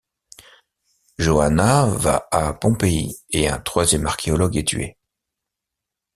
Johanna va à Pompéi et un troisième archéologue est tué.